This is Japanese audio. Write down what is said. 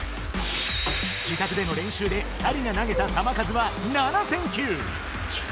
自宅での練習で２人がなげたたまかずは７００００球！